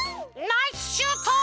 ナイスシュート！